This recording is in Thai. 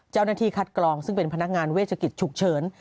เจ้าหน้าที่คัดกรองซึ่งเป็นพนักงานเวชกิจฉุกเฉิน